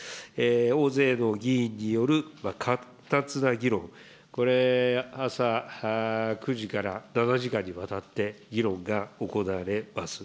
大勢の議員によるかったつな議論、これ、朝９時から７時間にわたって議論が行われます。